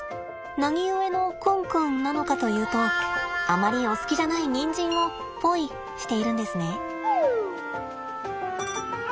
何故のくんくんなのかというとあまりお好きじゃないにんじんをポイしているんですね。